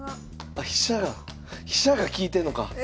あ飛車が飛車が利いてんのか。